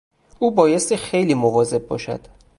او بایستی خیلی مواظب باشد.